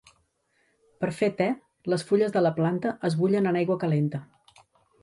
Per fer te, les fulles de la planta es bullen en aigua calenta.